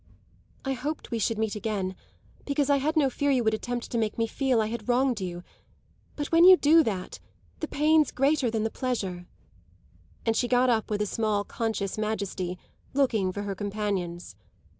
"I hoped we should meet again, because I had no fear you would attempt to make me feel I had wronged you. But when you do that the pain's greater than the pleasure." And she got up with a small conscious majesty, looking for her companions.